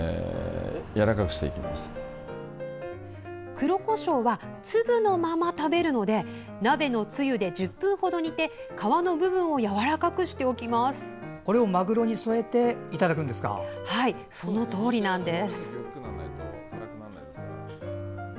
黒こしょうは粒のまま食べるので鍋のつゆで１０分ほど煮て皮の部分をこれをまぐろに添えてそのとおりなんです。